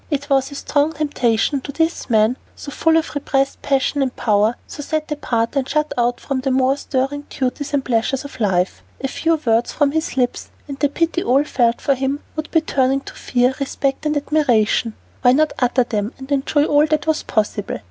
It was a strong temptation to this man, so full of repressed passion and power, so set apart and shut out from the more stirring duties and pleasures of life. A few words from his lips, and the pity all felt for him would be turned to fear, respect, and admiration. Why not utter them, and enjoy all that was possible?